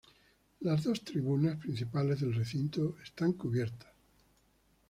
Los dos tribunas principales del recinto están cubiertas.